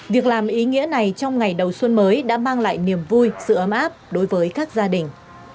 việc làm ý nghĩa này trong ngày đầu xuân mới đã mang lại niềm vui sự ấm áp đối với các gia đình